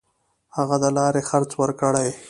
هغه د لارې خرڅ ورکړي.